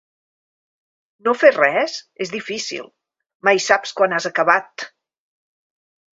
No fer res és difícil, mai saps quan has acabat.